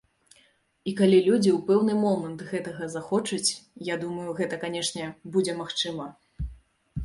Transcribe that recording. І калі людзі ў пэўны момант гэтага захочуць, я думаю, гэта, канечне, будзе магчыма.